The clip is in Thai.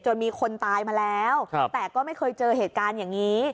มีคนตายมาแล้วแต่ก็ไม่เคยเจอเหตุการณ์อย่างนี้